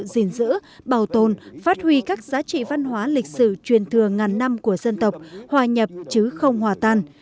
giữ bảo tồn phát huy các giá trị văn hóa lịch sử truyền thừa ngàn năm của dân tộc hòa nhập chứ không hòa tan